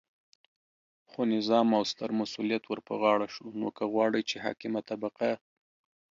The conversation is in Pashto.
خو نظام او ستر مسؤلیت ورپه غاړه شو، نو که غواړئ چې حاکمه طبقه